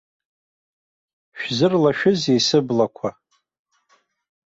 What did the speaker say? Шәзырлашәызеи сыблақәа.